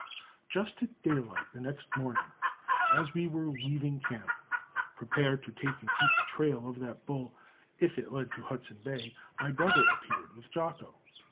Just at daylight the next morning, as we were leaving camp, prepared to take and keep the trail of that bull if it led to Hudson Bay, my brother appeared with Jocko.